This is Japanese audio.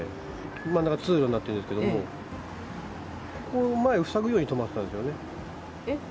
真ん中が通路になってるんですけども、ここを前塞ぐようにして止まってたんですよね。